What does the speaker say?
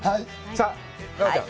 さあ、奈緒ちゃん。